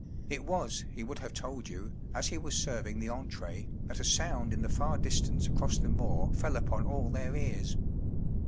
It was, he would have told you, as he was serving the entree, that a sound in the far distance across the moor fell upon all their ears.